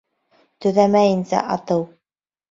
Төҙәмәйенсә атыу